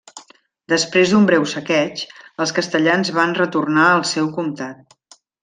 Després d'un breu saqueig, els castellans van retornar al seu comtat.